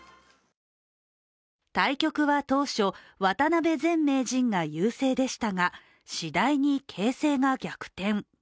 対局は当初、渡辺前名人が優勢でしたが次第に形勢が逆転。